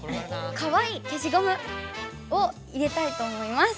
かわいいけしゴムを入れたいと思います。